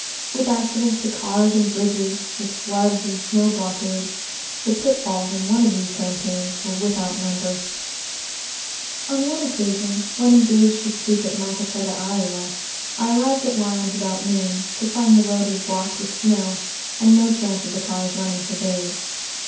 With accidents to cars and bridges, with floods and snow blockades, the pitfalls in one of these campaigns were without number. [Illustration: ELIZABETH SMITH MILLER.] On one occasion, when engaged to speak at Maquoketa, Iowa, I arrived at Lyons about noon, to find the road was blocked with snow, and no chance of the cars running for days.